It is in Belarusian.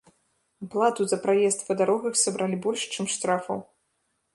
Аплату за праезд па дарогах сабралі больш, чым штрафаў.